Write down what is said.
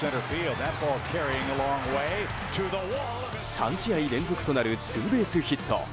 ３試合連続ヒットとなるツーベースヒット。